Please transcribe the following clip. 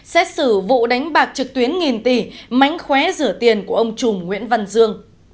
xét xử vụ đánh bạc trực tuyến nghìn tỷ mánh khóe rửa tiền của ông chùm nguyễn văn dương